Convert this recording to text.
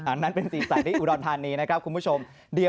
อันนั้นเป็นสีสันที่อุดรธานีนะครับคุณผู้ชม